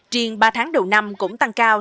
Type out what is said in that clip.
triền ba tháng đầu năm cũng tăng cao